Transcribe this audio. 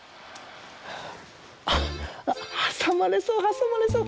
あっはさまれそうはさまれそう。